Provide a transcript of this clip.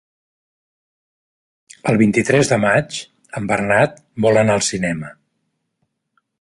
El vint-i-tres de maig en Bernat vol anar al cinema.